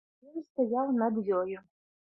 Ён стаяў над ёю.